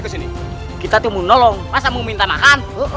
kesini kita tunggu nolong pasang meminta makan